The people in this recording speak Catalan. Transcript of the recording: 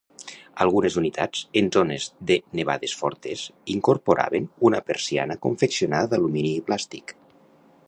Algunes unitats, en zones de nevades fortes, incorporaven una persiana confeccionada d'alumini i plàstic.